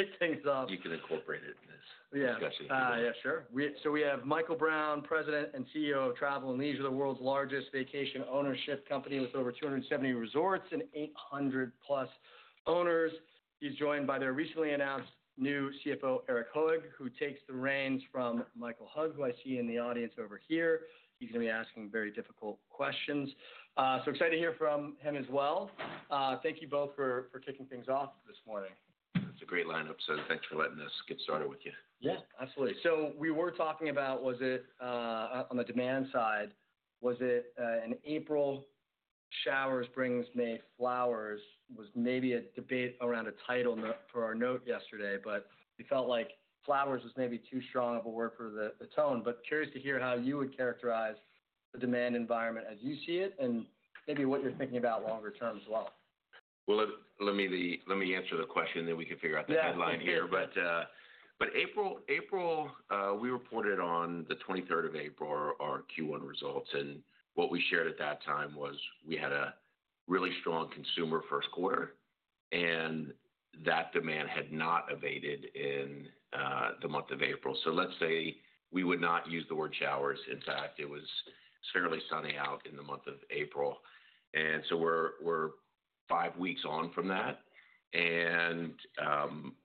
Everything's off. You can incorporate it in this discussion. Yeah. Yeah, sure. So we have Michael Brown, President and CEO of Travel + Leisure Co, the world's largest vacation ownership company with over 270 resorts and 800+ owners. He's joined by their recently announced new CFO, Erik Hoag, who takes the reins from Michael Hug, who I see in the audience over here. He's going to be asking very difficult questions. Excited to hear from him as well. Thank you both for kicking things off this morning. It's a great lineup, so thanks for letting us get started with you. Yeah, absolutely. We were talking about, was it on the demand side, was it an April showers brings May flowers? Was maybe a debate around a title for our note yesterday, but we felt like flowers was maybe too strong of a word for the tone. Curious to hear how you would characterize the demand environment as you see it and maybe what you're thinking about longer term as well. Let me answer the question, and then we can figure out the headline here. April, we reported on the 23rd of April, our Q1 results. What we shared at that time was we had a really strong consumer first quarter, and that demand had not abated in the month of April. We would not use the word showers. In fact, it was fairly sunny out in the month of April. We are five weeks on from that, and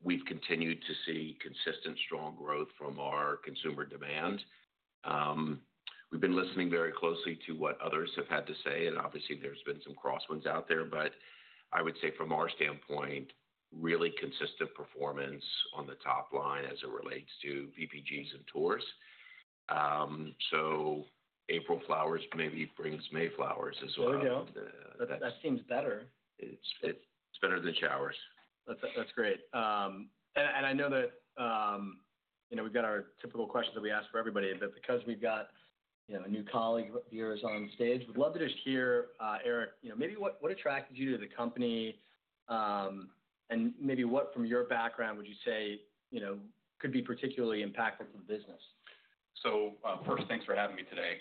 we have continued to see consistent, strong growth from our consumer demand. We have been listening very closely to what others have had to say. Obviously, there have been some crosswinds out there. I would say from our standpoint, really consistent performance on the top line as it relates to VPGs and tours. April flowers maybe brings May flowers as well. There we go. That seems better. It's better than showers. That's great. I know that we've got our typical questions that we ask for everybody. Because we've got new colleague viewers on stage, we'd love to just hear, Erik, maybe what attracted you to the company and maybe what from your background would you say could be particularly impactful to the business? First, thanks for having me today.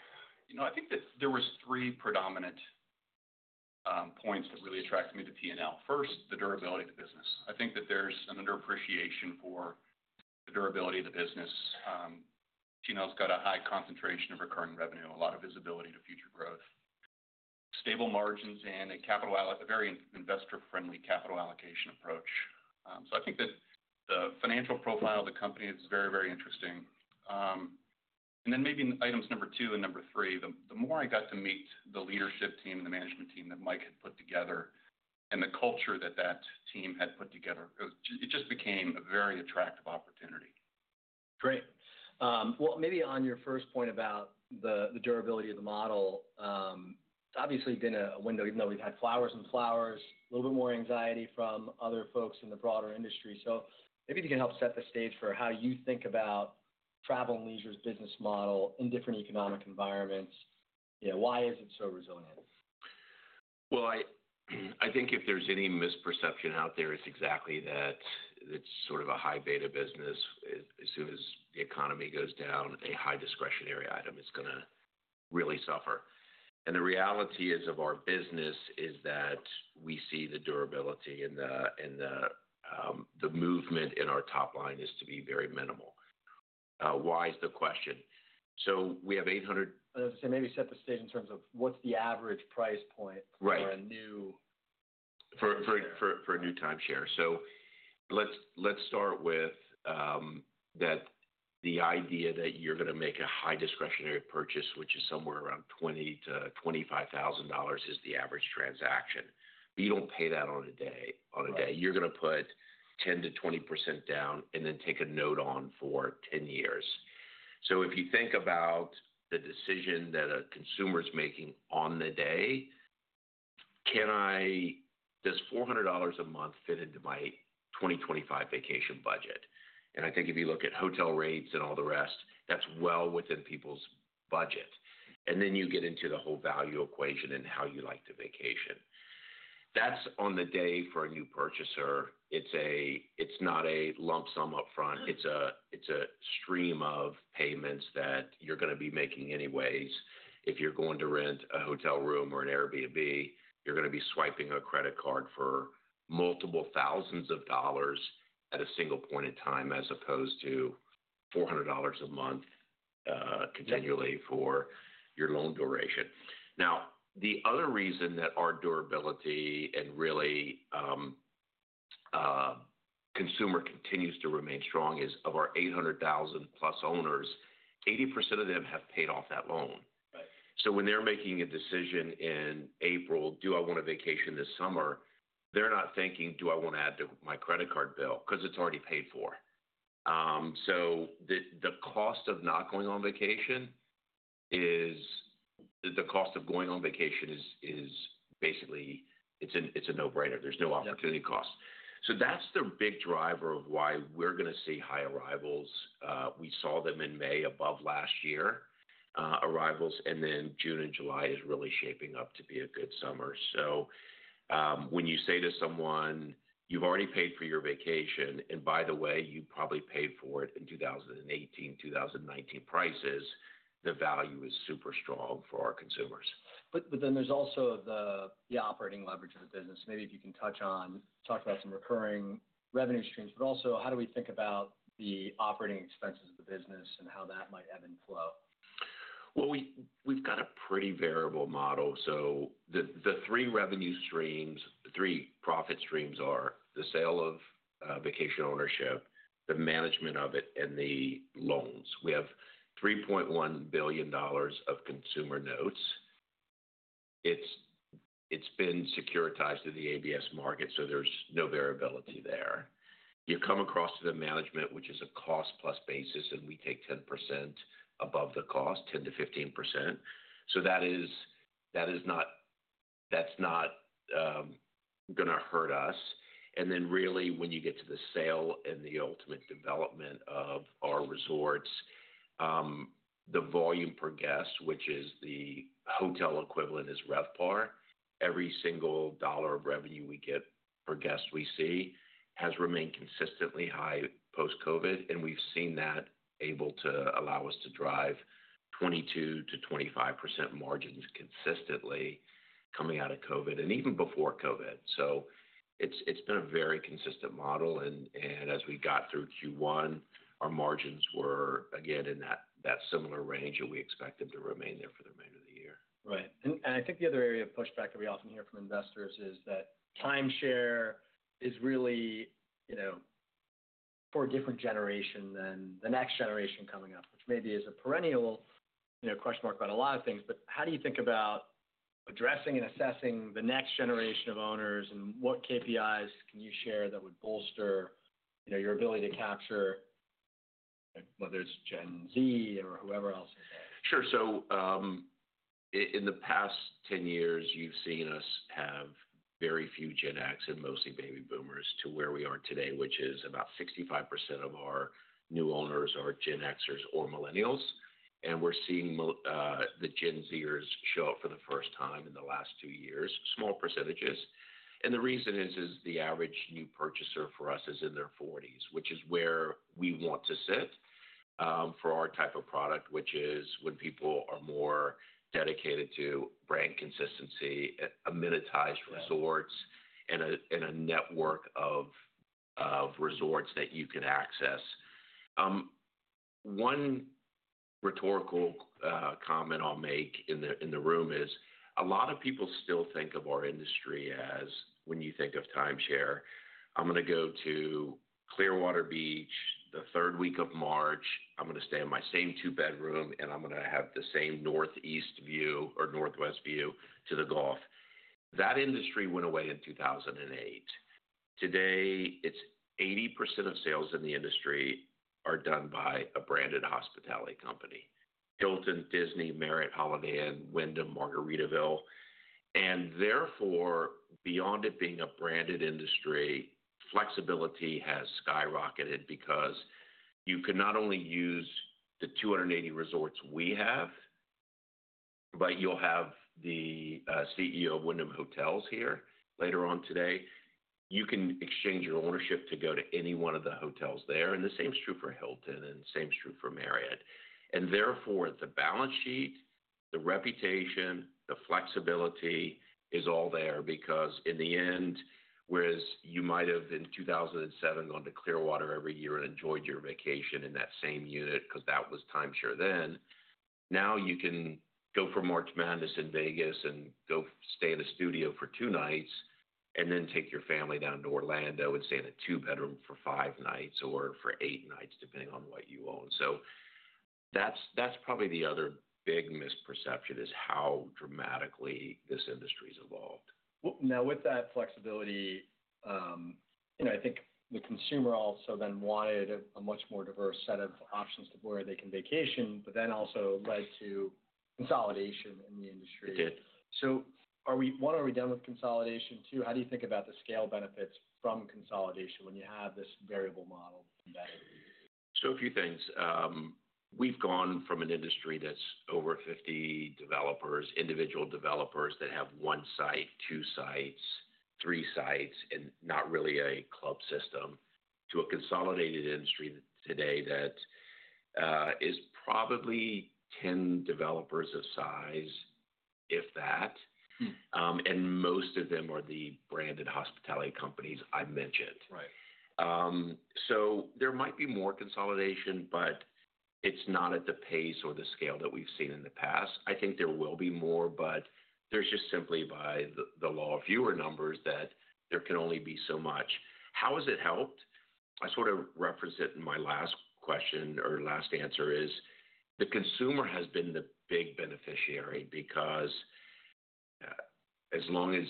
I think that there were three predominant points that really attracted me to T&L. First, the durability of the business. I think that there is an underappreciation for the durability of the business. T&L's got a high concentration of recurring revenue, a lot of visibility to future growth, stable margins, and a very investor-friendly capital allocation approach. I think that the financial profile of the company is very, very interesting. Maybe in items number two and number three, the more I got to meet the leadership team and the management team that Mike had put together and the culture that that team had put together, it just became a very attractive opportunity. Great. Maybe on your first point about the durability of the model, obviously been a window, even though we've had flowers and flowers, a little bit more anxiety from other folks in the broader industry. Maybe if you can help set the stage for how you think about Travel + Leisure's business model in different economic environments, why is it so resilient? I think if there's any misperception out there, it's exactly that it's sort of a high-beta business. As soon as the economy goes down, a high-discretionary item is going to really suffer. The reality of our business is that we see the durability and the movement in our top line is to be very minimal. Why is the question? We have 800. Maybe set the stage in terms of what's the average price point for a new. For a new timeshare. Let's start with that, the idea that you're going to make a high-discretionary purchase, which is somewhere around $20,000-$25,000 is the average transaction. You don't pay that on a day. You're going to put 10%-20% down and then take a note on for 10 years. If you think about the decision that a consumer is making on the day, can I, does $400 a month fit into my 2025 vacation budget? I think if you look at hotel rates and all the rest, that's well within people's budget. Then you get into the whole value equation and how you like the vacation. That's on the day for a new purchaser. It's not a lump sum upfront. It's a stream of payments that you're going to be making anyways. If you're going to rent a hotel room or an Airbnb, you're going to be swiping a credit card for multiple thousands of dollars at a single point in time as opposed to $400 a month continually for your loan duration. Now, the other reason that our durability and really consumer continues to remain strong is of our 800,000+ owners, 80% of them have paid off that loan. When they're making a decision in April, do I want to vacation this summer? They're not thinking, do I want to add to my credit card bill because it's already paid for? The cost of not going on vacation is the cost of going on vacation is basically it's a no-brainer. There's no opportunity cost. That's the big driver of why we're going to see high arrivals. We saw them in May above last year arrivals. June and July is really shaping up to be a good summer. When you say to someone, you've already paid for your vacation, and by the way, you probably paid for it in 2018, 2019 prices, the value is super strong for our consumers. But then there is also the operating leverage of the business. Maybe if you can touch on, talk about some recurring revenue streams, but also how do we think about the operating expenses of the business and how that might ebb and flow? We have got a pretty variable model. The three revenue streams, the three profit streams are the sale of vacation ownership, the management of it, and the loans. We have $3.1 billion of consumer notes. It has been securitized to the ABS market, so there is no variability there. You come across to the management, which is a cost-plus basis, and we take 10% above the cost, 10%-15%. That is not going to hurt us. Really, when you get to the sale and the ultimate development of our resorts, the volume per guest, which is the hotel equivalent, is RevPAR. Every single dollar of revenue we get per guest we see has remained consistently high post-COVID. We have seen that able to allow us to drive 22%-25% margins consistently coming out of COVID and even before COVID. It's been a very consistent model. And as we got through Q1, our margins were again in that similar range, and we expect them to remain there for the remainder of the year. Right. I think the other area of pushback that we often hear from investors is that timeshare is really for a different generation than the next generation coming up, which maybe is a perennial question mark about a lot of things. How do you think about addressing and assessing the next generation of owners? What KPIs can you share that would bolster your ability to capture whether it's Gen Z or whoever else? Sure. In the past 10 years, you've seen us have very few Gen X and mostly baby boomers to where we are today, which is about 65% of our new owners are Gen Xers or millennials. We're seeing the Gen Zers show up for the first time in the last two years, small percentages. The reason is the average new purchaser for us is in their 40s, which is where we want to sit for our type of product, which is when people are more dedicated to brand consistency, amenitized resorts, and a network of resorts that you can access. One rhetorical comment I'll make in the room is a lot of people still think of our industry as when you think of timeshare, I'm going to go to Clearwater Beach the third week of March. I'm going to stay in my same two-bedroom, and I'm going to have the same northeast view or northwest view to the Gulf. That industry went away in 2008. Today, 80% of sales in the industry are done by a branded hospitality company: Hilton, Disney, Marriott, Holiday, and Wyndham, Margaritaville. Therefore, beyond it being a branded industry, flexibility has skyrocketed because you can not only use the 280 resorts we have, but you'll have the CEO of Wyndham Hotels here later on today. You can exchange your ownership to go to any one of the hotels there. The same is true for Hilton and the same is true for Marriott. Therefore, the balance sheet, the reputation, the flexibility is all there because in the end, whereas you might have in 2007 gone to Clearwater Beach every year and enjoyed your vacation in that same unit because that was timeshare then, now you can go for March Madness in Vegas and go stay in a studio for two nights and then take your family down to Orlando and stay in a two-bedroom for five nights or for eight nights, depending on what you own. That is probably the other big misperception, how dramatically this industry has evolved. Now, with that flexibility, I think the consumer also then wanted a much more diverse set of options to where they can vacation, but then also led to consolidation in the industry. It did. One, are we done with consolidation? Two, how do you think about the scale benefits from consolidation when you have this variable model embedded? A few things. We've gone from an industry that's over 50 developers, individual developers that have one site, two sites, three sites, and not really a club system to a consolidated industry today that is probably 10 developers of size, if that. Most of them are the branded hospitality companies I mentioned. There might be more consolidation, but it's not at the pace or the scale that we've seen in the past. I think there will be more, but there's just simply by the law of fewer numbers that there can only be so much. How has it helped? I sort of referenced it in my last question or last answer is the consumer has been the big beneficiary because as long as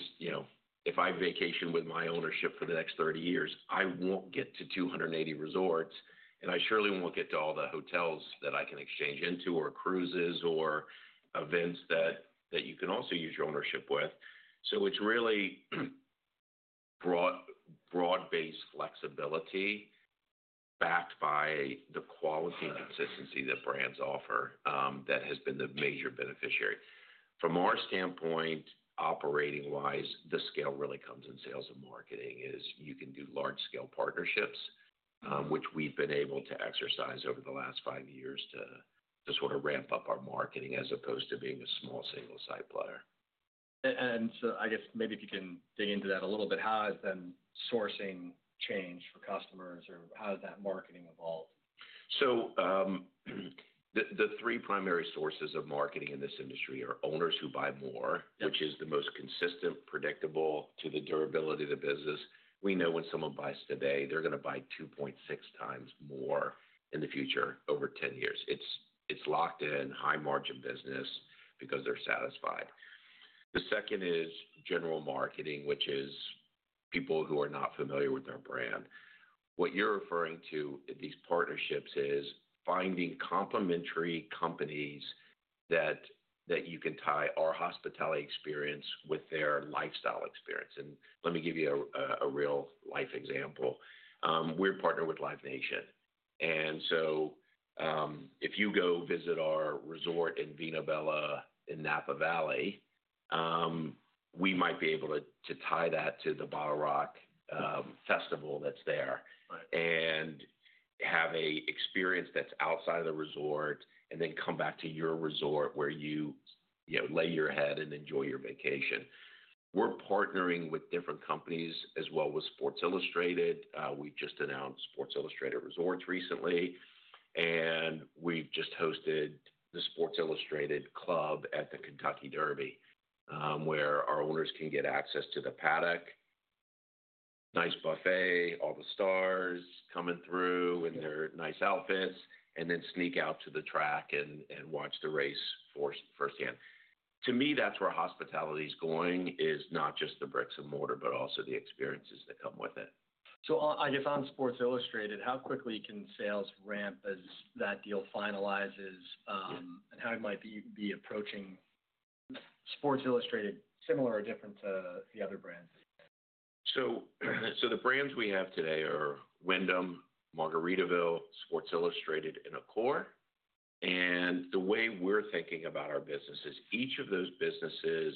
if I vacation with my ownership for the next 30 years, I won't get to 280 resorts, and I surely won't get to all the hotels that I can exchange into or cruises or events that you can also use your ownership with. It is really broad-based flexibility backed by the quality and consistency that brands offer that has been the major beneficiary. From our standpoint, operating-wise, the scale really comes in sales and marketing is you can do large-scale partnerships, which we have been able to exercise over the last five years to sort of ramp up our marketing as opposed to being a small single-site player. I guess maybe if you can dig into that a little bit, how has then sourcing changed for customers or how has that marketing evolved? The three primary sources of marketing in this industry are owners who buy more, which is the most consistent, predictable to the durability of the business. We know when someone buys today, they're going to buy 2.6x more in the future over 10 years. It's locked in high-margin business because they're satisfied. The second is general marketing, which is people who are not familiar with their brand. What you're referring to at these partnerships is finding complementary companies that you can tie our hospitality experience with their lifestyle experience. Let me give you a real-life example. We're partnered with Live Nation. If you go visit our resort in Vino Bello in Napa Valley, we might be able to tie that to the Bio Rock Festival that's there and have an experience that's outside of the resort and then come back to your resort where you lay your head and enjoy your vacation. We're partnering with different companies as well as Sports Illustrated. We just announced Sports Illustrated Resorts recently, and we've just hosted the Sports Illustrated Club at the Kentucky Derby, where our owners can get access to the paddock, nice buffet, all the stars coming through in their nice outfits, and then sneak out to the track and watch the race firsthand. To me, that's where hospitality is going is not just the bricks and mortar, but also the experiences that come with it. I just found Sports Illustrated. How quickly can sales ramp as that deal finalizes and how it might be approaching Sports Illustrated, similar or different to the other brands? The brands we have today are Wyndham, Margaritaville, Sports Illustrated, and Accor. The way we're thinking about our business is each of those businesses,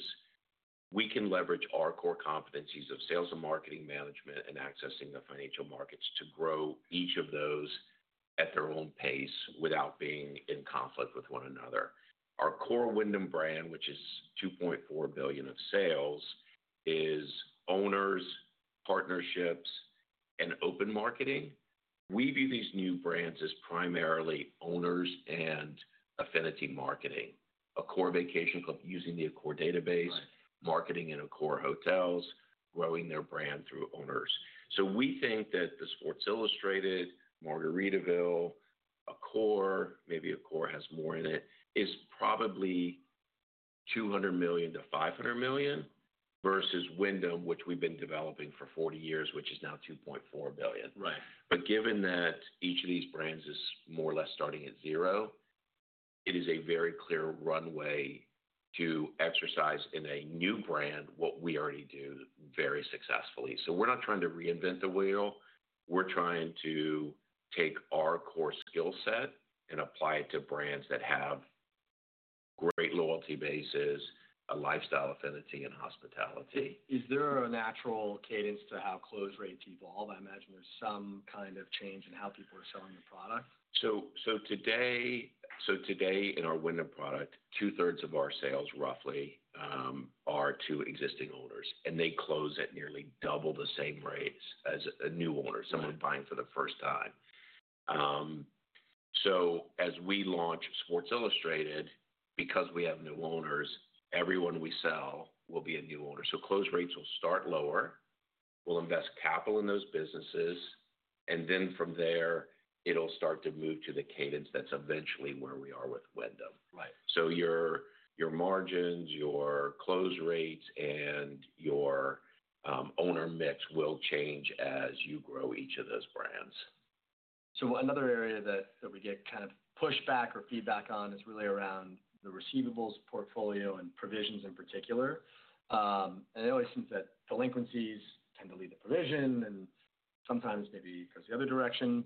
we can leverage our core competencies of sales and marketing management and accessing the financial markets to grow each of those at their own pace without being in conflict with one another. Our core Wyndham brand, which is $2.4 billion of sales, is owners, partnerships, and open marketing. We view these new brands as primarily owners and affinity marketing. Accor Vacation Club using the Accor database, marketing in Accor hotels, growing their brand through owners. We think that the Sports Illustrated, Margaritaville, Accor, maybe Accor has more in it, is probably $200 million-$500 million versus Wyndham, which we've been developing for 40 years, which is now $2.4 billion. Given that each of these brands is more or less starting at zero, it is a very clear runway to exercise in a new brand what we already do very successfully. We are not trying to reinvent the wheel. We are trying to take our core skill set and apply it to brands that have great loyalty bases, a lifestyle affinity, and hospitality. Is there a natural cadence to how close rates evolve? I imagine there's some kind of change in how people are selling the product. Today, in our Wyndham product, two-thirds of our sales roughly are to existing owners, and they close at nearly double the same rates as a new owner, someone buying for the first time. As we launch Sports Illustrated, because we have new owners, everyone we sell will be a new owner. Close rates will start lower. We'll invest capital in those businesses. From there, it'll start to move to the cadence that's eventually where we are with Wyndham. Your margins, your close rates, and your owner mix will change as you grow each of those brands. Another area that we get kind of pushback or feedback on is really around the receivables portfolio and provisions in particular. It always seems that delinquencies tend to lead to provision and sometimes maybe goes the other direction.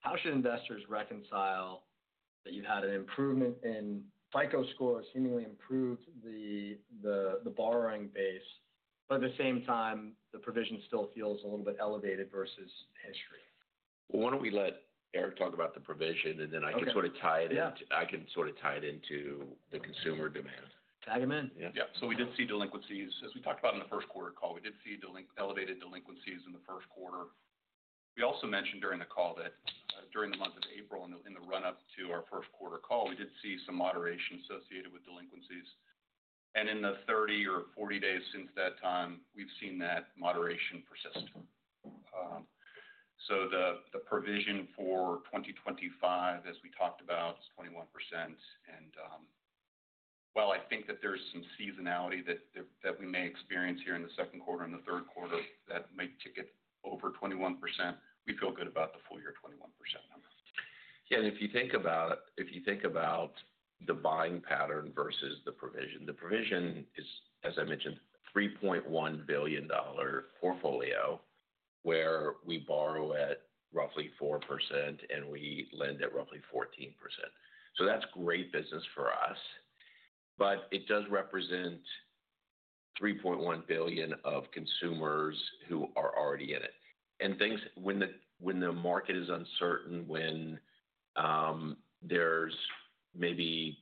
How should investors reconcile that you've had an improvement in FICO score, seemingly improved the borrowing base, but at the same time, the provision still feels a little bit elevated versus history? Why don't we let Erik talk about the provision, and then I can sort of tie it into the consumer demand. Tag him in. Yeah. We did see delinquencies. As we talked about in the first quarter call, we did see elevated delinquencies in the first quarter. We also mentioned during the call that during the month of April, in the run-up to our first quarter call, we did see some moderation associated with delinquencies. In the 30 or 40 days since that time, we've seen that moderation persist. The provision for 2025, as we talked about, is 21%. While I think that there's some seasonality that we may experience here in the second quarter and the third quarter that may tick it over 21%, we feel good about the full year 21% number. Yeah. If you think about it, if you think about the buying pattern versus the provision, the provision is, as I mentioned, a $3.1 billion portfolio where we borrow at roughly 4% and we lend at roughly 14%. That is great business for us, but it does represent $3.1 billion of consumers who are already in it. When the market is uncertain, when there are maybe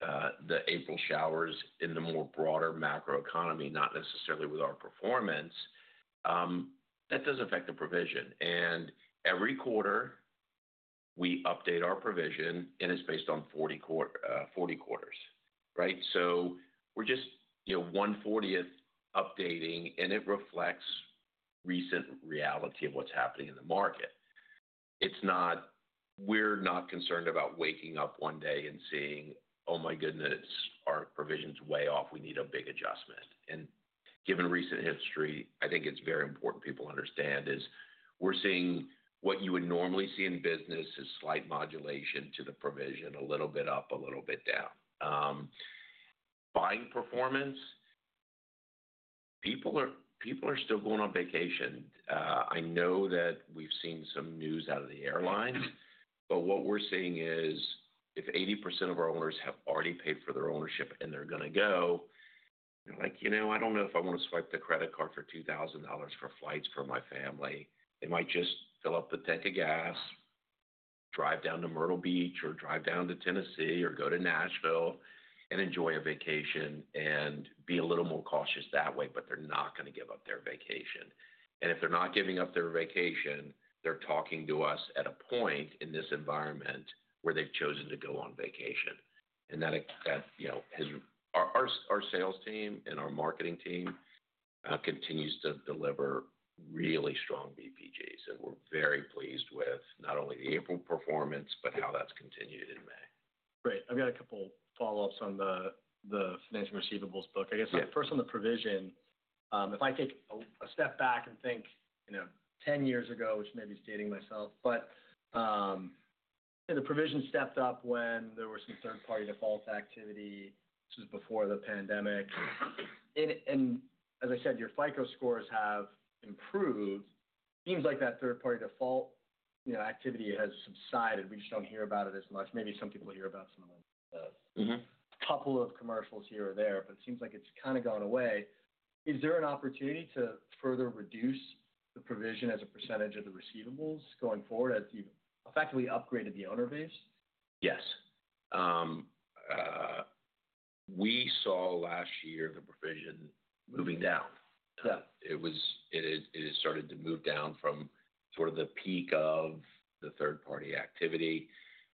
the April showers in the more broader macro economy, not necessarily with our performance, that does affect the provision. Every quarter, we update our provision, and it is based on 40 quarters, right? We are just one 40th updating, and it reflects recent reality of what is happening in the market. We are not concerned about waking up one day and seeing, "Oh my goodness, our provision's way off. We need a big adjustment." Given recent history, I think it's very important people understand is we're seeing what you would normally see in business is slight modulation to the provision, a little bit up, a little bit down. Buying performance, people are still going on vacation. I know that we've seen some news out of the airlines, but what we're seeing is if 80% of our owners have already paid for their ownership and they're going to go, they're like, "I don't know if I want to swipe the credit card for $2,000 for flights for my family." They might just fill up the tank of gas, drive down to Myrtle Beach, or drive down to Tennessee, or go to Nashville and enjoy a vacation and be a little more cautious that way, but they're not going to give up their vacation. If they're not giving up their vacation, they're talking to us at a point in this environment where they've chosen to go on vacation. That has our sales team and our marketing team continuing to deliver really strong VPGs. We're very pleased with not only the April performance, but how that's continued in May. Great. I've got a couple of follow-ups on the financial receivables book. I guess first on the provision, if I take a step back and think 10 years ago, which may be dating myself, but the provision stepped up when there was some third-party default activity. This was before the pandemic. As I said, your FICO scores have improved. It seems like that third-party default activity has subsided. We just do not hear about it as much. Maybe some people hear about some of the couple of commercials here or there, but it seems like it has kind of gone away. Is there an opportunity to further reduce the provision as a percentage of the receivables going forward as you have effectively upgraded the owner base? Yes. We saw last year the provision moving down. It started to move down from sort of the peak of the third-party activity.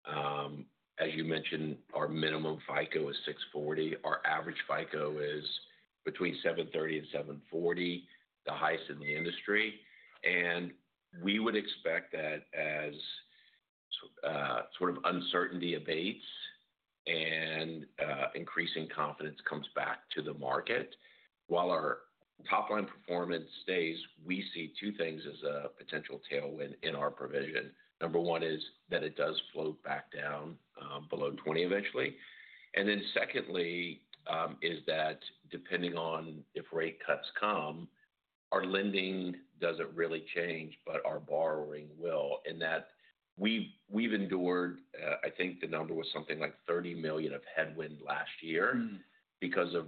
As you mentioned, our minimum FICO is 640. Our average FICO is between 730 and 740, the highest in the industry. We would expect that as sort of uncertainty abates and increasing confidence comes back to the market, while our top-line performance stays, we see two things as a potential tailwind in our provision. Number one is that it does float back down below 20% eventually. Secondly, depending on if rate cuts come, our lending does not really change, but our borrowing will. We have endured, I think the number was something like $30 million of headwind last year because of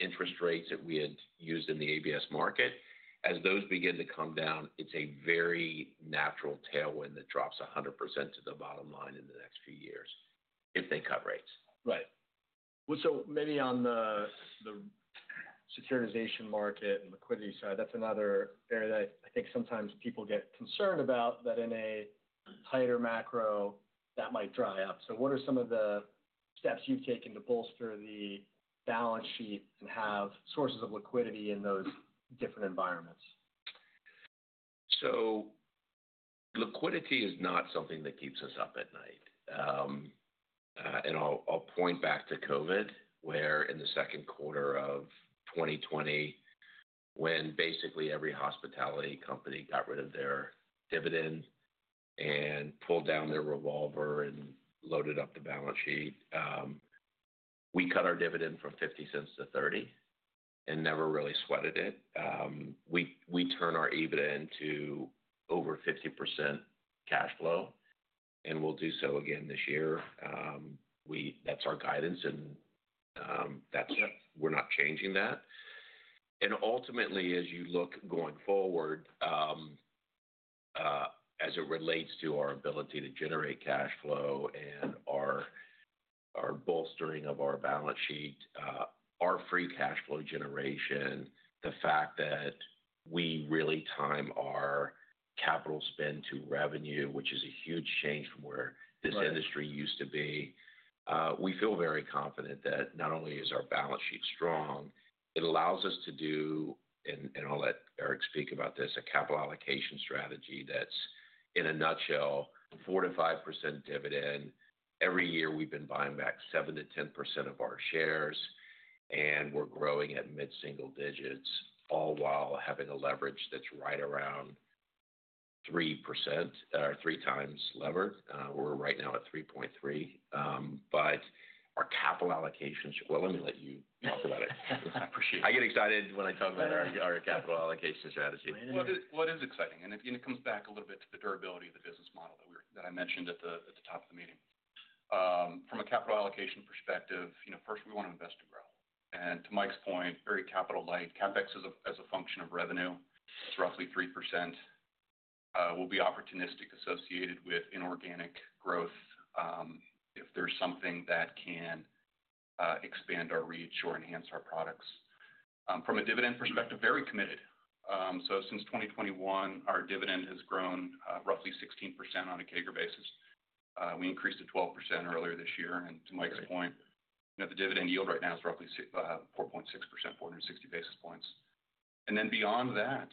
interest rates that we had used in the ABS market. As those begin to come down, it's a very natural tailwind that drops 100% to the bottom line in the next few years if they cut rates. Right. So maybe on the securitization market and liquidity side, that's another area that I think sometimes people get concerned about that in a tighter macro, that might dry up. What are some of the steps you've taken to bolster the balance sheet and have sources of liquidity in those different environments? Liquidity is not something that keeps us up at night. I'll point back to COVID where in the second quarter of 2020, when basically every hospitality company got rid of their dividend and pulled down their revolver and loaded up the balance sheet, we cut our dividend from $0.50 to $0.30 and never really sweated it. We turn our EBITDA into over 50% cash flow, and we'll do so again this year. That's our guidance, and we're not changing that. Ultimately, as you look going forward, as it relates to our ability to generate cash flow and our bolstering of our balance sheet, our free cash flow generation, the fact that we really time our capital spend to revenue, which is a huge change from where this industry used to be, we feel very confident that not only is our balance sheet strong, it allows us to do, and I'll let Erik speak about this, a capital allocation strategy that's in a nutshell, 4%-5% dividend. Every year, we've been buying back 7%-10% of our shares, and we're growing at mid-single digits, all while having a leverage that's right around 3% or 3x levered. We're right now at 3.3. Our capital allocations—let me let you talk about it. I get excited when I talk about our capital allocation strategy. What is exciting? It comes back a little bit to the durability of the business model that I mentioned at the top of the meeting. From a capital allocation perspective, first, we want to invest and grow. To Mike's point, very capital-light. CapEx is a function of revenue. It's roughly 3%. We'll be opportunistic associated with inorganic growth if there's something that can expand our reach or enhance our products. From a dividend perspective, very committed. Since 2021, our dividend has grown roughly 16% on a CAGR basis. We increased to 12% earlier this year. To Mike's point, the dividend yield right now is roughly 4.6%, 460 basis points. Beyond that,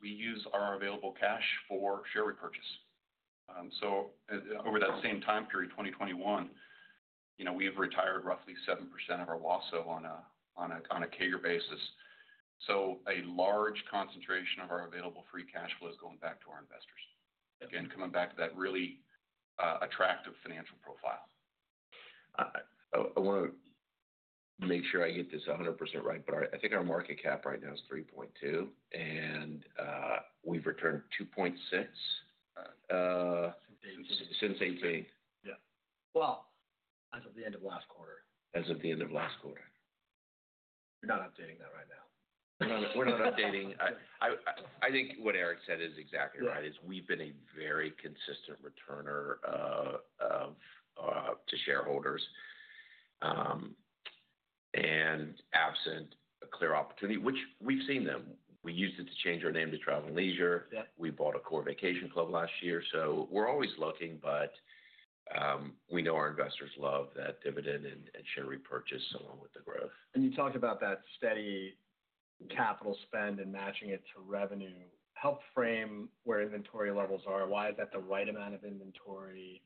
we use our available cash for share repurchase. Over that same time period, 2021, we've retired roughly 7% of our WASO on a CAGR basis. A large concentration of our available free cash flow is going back to our investors. Again, coming back to that really attractive financial profile. I want to make sure I get this 100% right, but I think our market cap right now is $3.2 billion, and we've returned $2.6 billion since 2018. As of the end of last quarter. As of the end of last quarter. You're not updating that right now. We're not updating. I think what Erik said is exactly right, is we've been a very consistent returner to shareholders and absent a clear opportunity, which we've seen them. We used it to change our name to Travel + Leisure. We bought Accor Vacation Club last year. So we're always looking, but we know our investors love that dividend and share repurchase along with the growth. You talked about that steady capital spend and matching it to revenue. Help frame where inventory levels are. Why is that the right amount of inventory?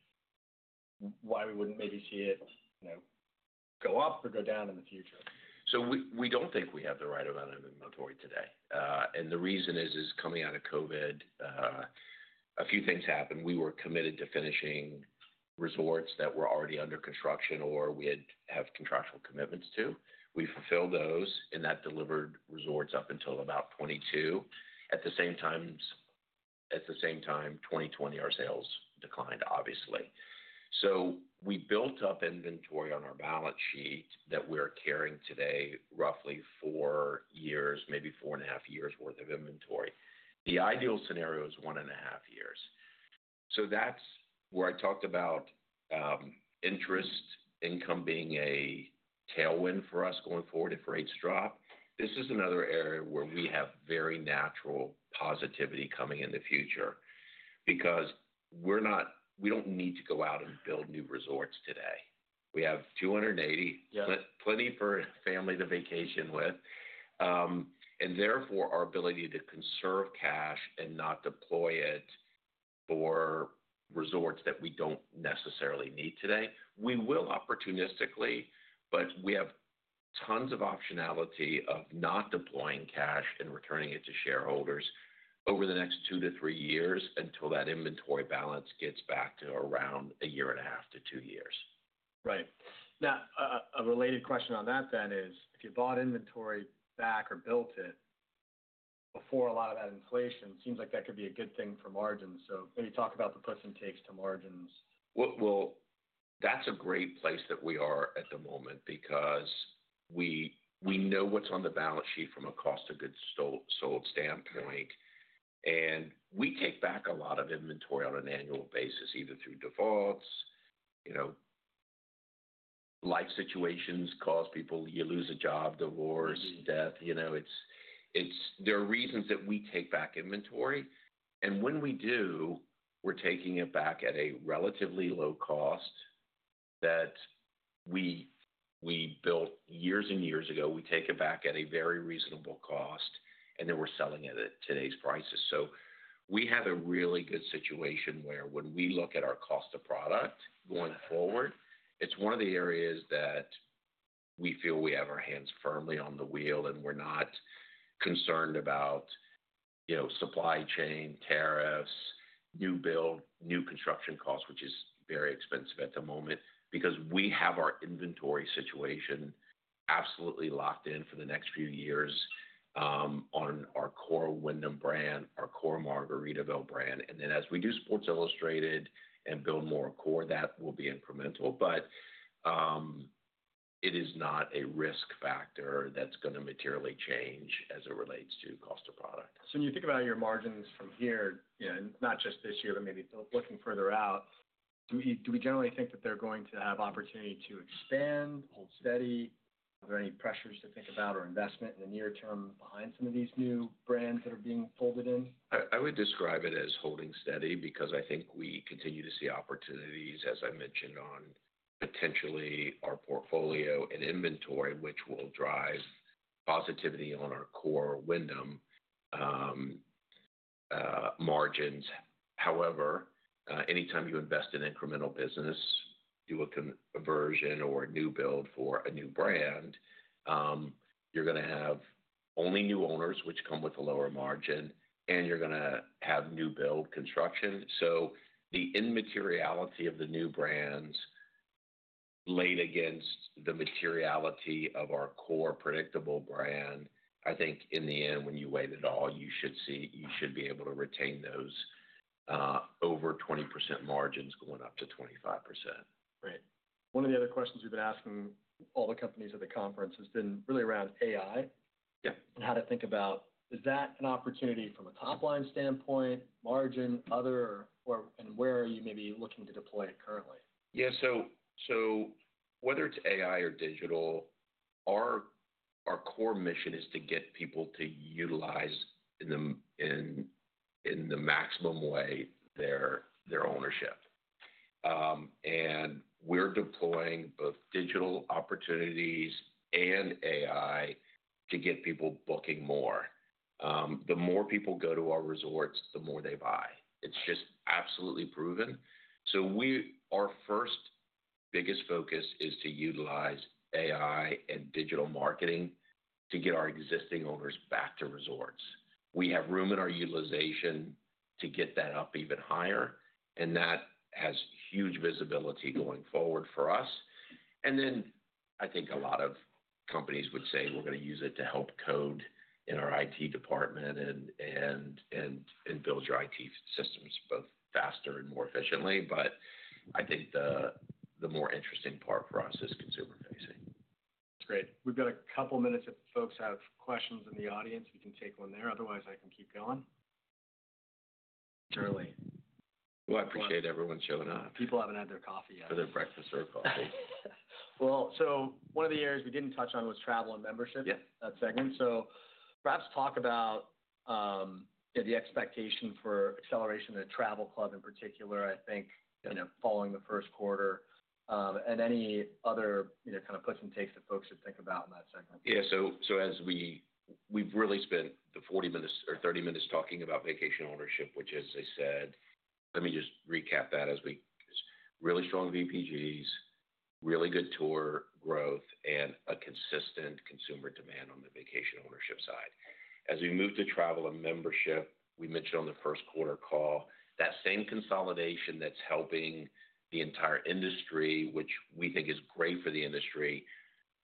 Why we wouldn't maybe see it go up or go down in the future? We do not think we have the right amount of inventory today. The reason is, coming out of COVID, a few things happened. We were committed to finishing resorts that were already under construction or we had contract commitments to. We fulfilled those, and that delivered resorts up until about 2022. At the same time, 2020, our sales declined, obviously. We built up inventory on our balance sheet that we are carrying today, roughly four years, maybe four and a half years' worth of inventory. The ideal scenario is one and a half years. That is where I talked about interest income being a tailwind for us going forward if rates drop. This is another area where we have very natural positivity coming in the future because we do not need to go out and build new resorts today. We have 280, plenty for a family to vacation with. Our ability to conserve cash and not deploy it for resorts that we do not necessarily need today is important. We will opportunistically, but we have tons of optionality of not deploying cash and returning it to shareholders over the next two to three years until that inventory balance gets back to around a year and a half to two years. Right. Now, a related question on that then is, if you bought inventory back or built it before a lot of that inflation, it seems like that could be a good thing for margins. So maybe talk about the puts and takes to margins. That's a great place that we are at the moment because we know what's on the balance sheet from a cost of goods sold standpoint. We take back a lot of inventory on an annual basis, either through defaults. Life situations cause people—you lose a job, divorce, death. There are reasons that we take back inventory. When we do, we're taking it back at a relatively low cost that we built years and years ago. We take it back at a very reasonable cost, and then we're selling it at today's prices. We have a really good situation where when we look at our cost of product going forward, it's one of the areas that we feel we have our hands firmly on the wheel, and we're not concerned about supply chain, tariffs, new build, new construction costs, which is very expensive at the moment because we have our inventory situation absolutely locked in for the next few years on our core Wyndham brand, our core Margaritaville brand. As we do Sports Illustrated and build more core, that will be incremental. It is not a risk factor that's going to materially change as it relates to cost of product. When you think about your margins from here, not just this year, but maybe looking further out, do we generally think that they're going to have opportunity to expand, hold steady? Are there any pressures to think about or investment in the near term behind some of these new brands that are being folded in? I would describe it as holding steady because I think we continue to see opportunities, as I mentioned, on potentially our portfolio and inventory, which will drive positivity on our core Wyndham margins. However, anytime you invest in incremental business, do a conversion or a new build for a new brand, you're going to have only new owners, which come with a lower margin, and you're going to have new build construction. The immateriality of the new brands laid against the materiality of our core predictable brand, I think in the end, when you weigh it all, you should be able to retain those over 20% margins going up to 25%. Right. One of the other questions we've been asking all the companies at the conference has been really around AI and how to think about, is that an opportunity from a top-line standpoint, margin, other, and where are you maybe looking to deploy it currently? Yeah. Whether it's AI or digital, our core mission is to get people to utilize in the maximum way their ownership. We're deploying both digital opportunities and AI to get people booking more. The more people go to our resorts, the more they buy. It's just absolutely proven. Our first biggest focus is to utilize AI and digital marketing to get our existing owners back to resorts. We have room in our utilization to get that up even higher, and that has huge visibility going forward for us. I think a lot of companies would say we're going to use it to help code in our IT department and build your IT systems both faster and more efficiently. I think the more interesting part for us is consumer-facing. That's great. We've got a couple of minutes if folks have questions in the audience. We can take one there. Otherwise, I can keep going. Surely. I appreciate everyone showing up. People haven't had their coffee yet. For their breakfast or coffee. One of the areas we didn't touch on was travel and membership, that segment. So perhaps talk about the expectation for acceleration of the Travel Club in particular, I think, following the first quarter, and any other kind of puts and takes that folks should think about in that segment. Yeah. So we've really spent the 40 minutes or 30 minutes talking about vacation ownership, which, as I said, let me just recap that as we really strong VPGs, really good tour growth, and a consistent consumer demand on the vacation ownership side. As we move to travel and membership, we mentioned on the first quarter call, that same consolidation that's helping the entire industry, which we think is great for the industry,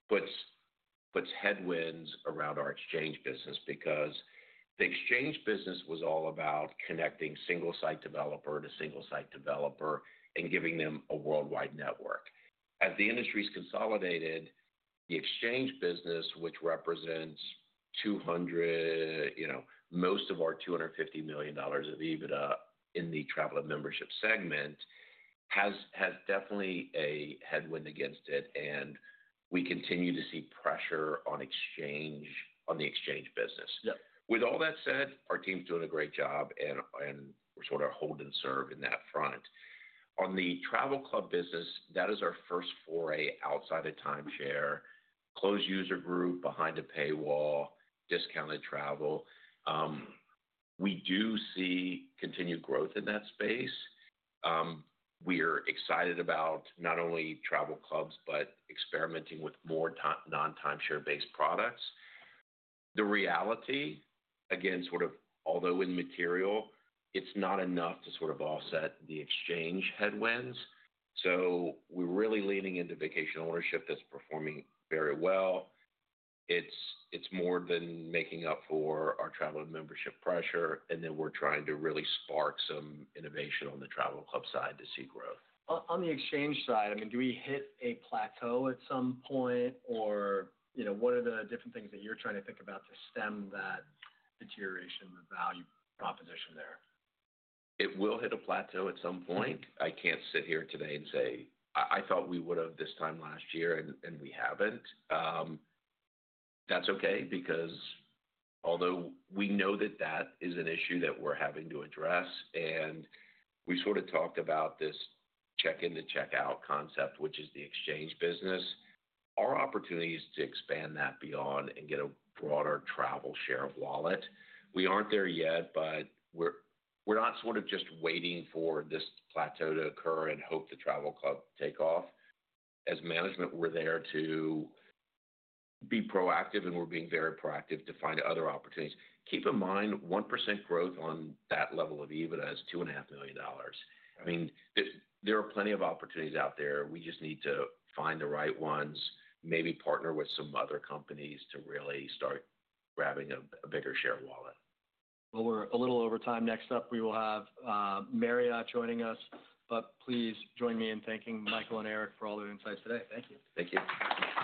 puts headwinds around our exchange business because the exchange business was all about connecting single-site developer to single-site developer and giving them a worldwide network. As the industry's consolidated, the exchange business, which represents most of our $250 million of EBITDA in the Travel and Membership segment, has definitely a headwind against it, and we continue to see pressure on the exchange business. With all that said, our team's doing a great job, and we're sort of hold and serve in that front. On the Travel Club business, that is our first foray outside of timeshare, closed user group, behind a paywall, discounted travel. We do see continued growth in that space. We are excited about not only Travel Clubs, but experimenting with more non-timeshare-based products. The reality, again, sort of although immaterial, it's not enough to sort of offset the exchange headwinds. We are really leaning into vacation ownership that's performing very well. It's more than making up for our Travel & Membership pressure, and then we're trying to really spark some innovation on the Travel Club side to see growth. On the exchange side, I mean, do we hit a plateau at some point, or what are the different things that you're trying to think about to stem that deterioration in the value proposition there? It will hit a plateau at some point. I can't sit here today and say, "I thought we would have this time last year, and we haven't." That's okay because although we know that that is an issue that we're having to address, and we sort of talked about this check-in to check-out concept, which is the exchange business, our opportunity is to expand that beyond and get a broader travel share of wallet. We aren't there yet, but we're not sort of just waiting for this plateau to occur and hope the Travel Club takes off. As management, we're there to be proactive, and we're being very proactive to find other opportunities. Keep in mind, 1% growth on that level of EBITDA is $2.5 million. I mean, there are plenty of opportunities out there. We just need to find the right ones, maybe partner with some other companies to really start grabbing a bigger share of wallet. We're a little over time. Next up, we will have Marriott joining us, but please join me in thanking Michael and Erik for all their insights today. Thank you. Thank you. Appreciate it. It was a. Very nice to meet you. Thank you.